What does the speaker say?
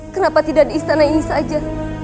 kenapa tidak di istana ini saja